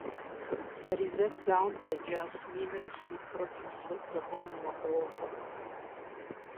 Фаризэт зауэм дэкӏащ минрэ щыбгъурэ плӏыщӏрэ зы гъэм и мэкъуауэгъуэм.